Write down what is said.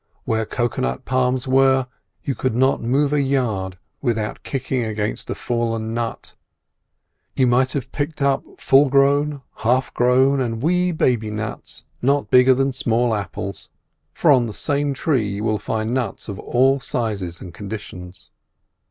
Where cocoa nut palms were, you could not move a yard without kicking against a fallen nut; you might have picked up full grown, half grown, and wee baby nuts, not bigger than small apples, for on the same tree you will find nuts of all sizes and conditions.